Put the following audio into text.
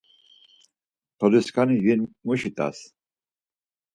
Toliskani jinmuşi rt̆as.